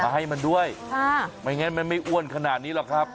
ให้มันด้วยไม่งั้นมันไม่อ้วนขนาดนี้หรอกครับ